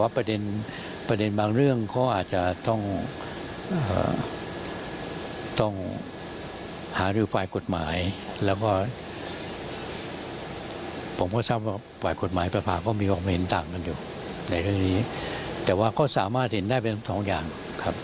เพราะฉะนั้นดำเนินการให้ถูก